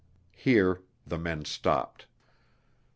Here the men stopped.